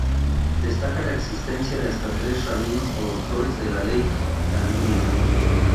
Destaca la existencia de hasta tres rabinos o doctores de la ley talmúdica.